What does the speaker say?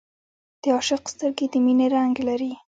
د عاشق سترګې د مینې رنګ لري